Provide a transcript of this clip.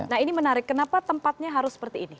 nah ini menarik kenapa tempatnya harus seperti ini